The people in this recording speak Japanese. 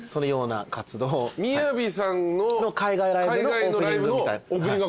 ＭＩＹＡＶＩさんの海外のライブのオープニングアクト？